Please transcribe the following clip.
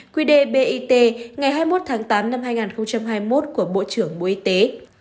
quy đề bit ngày hai mươi một tháng tám năm hai nghìn hai mươi một của bộ trưởng bộ y tế